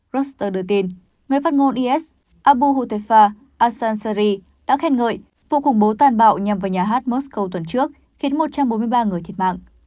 roster đưa tin người phát ngôn is abu hutefa alshansari đã khen ngợi vụ khủng bố tàn bạo nhằm vào nhà hát moscow tuần trước khiến một trăm bốn mươi ba người thiệt mạng